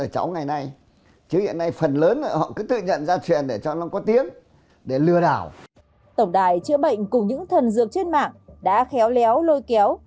tổng đài chữa bệnh cùng những thần dược trên mạng đã khéo léo lôi kéo